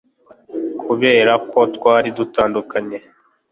Kubera ko twari dutandukanye